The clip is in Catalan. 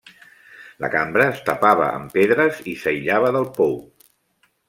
La cambra es tapava amb pedres i s'aïllava del pou.